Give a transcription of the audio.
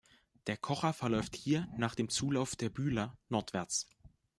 Der Kocher verläuft hier, nach dem Zulauf der Bühler, nordwärts.